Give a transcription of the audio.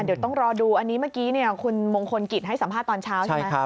เดี๋ยวต้องรอดูอันนี้เมื่อกี้คุณมงคลกิจให้สัมภาษณ์ตอนเช้าใช่ไหม